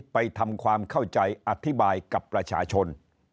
ไปทำความเข้าใจอธิบายกับประชาชน